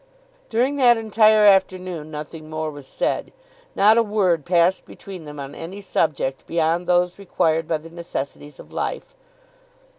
During that entire afternoon nothing more was said. Not a word passed between them on any subject beyond those required by the necessities of life.